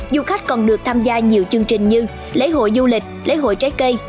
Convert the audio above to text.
du khách còn được tham gia nhiều chương trình như lễ hội du lịch lễ hội trái cây